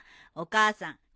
お母さん